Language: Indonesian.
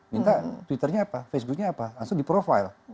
minta twitternya apa facebooknya apa langsung di profile